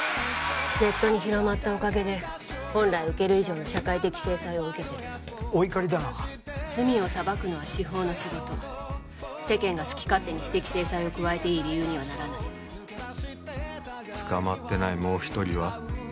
ネットに広まったおかげで本来受ける以上の社会的制裁を受けてるお怒りだな罪を裁くのは司法の仕事世間が好き勝手に私的制裁を加えていい理由にはならない捕まってないもう一人は？